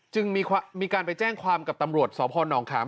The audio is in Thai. จึงมีการไปแจ้งความกับตำรวจสพนขาม